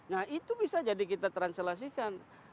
nah itu bisa jadi kita translasikan